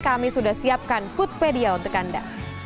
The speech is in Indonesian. kami sudah siapkan foodpedia untuk anda